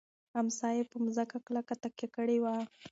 امسا یې په مځکه کلکه تکیه کړې وه.